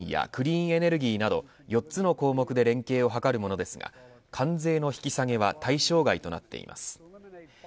ＩＰＥＦはサプライチェーンやクリーンエネルギーなど４つの項目で連携を図るものですが関税の引き下げは対象外となっています。